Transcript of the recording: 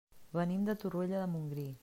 Venim de Torroella de Montgrí.